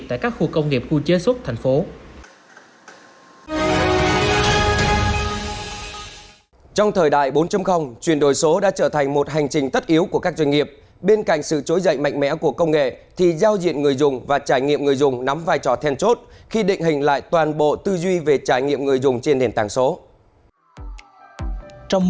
tại các khu công nghiệp khu chế xuất thành phố